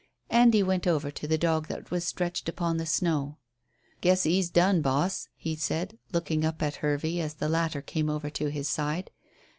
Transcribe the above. Andy went over to the dog that was stretched upon the snow. "Guess 'e's done, boss," he said, looking up at Hervey as the latter came over to his side.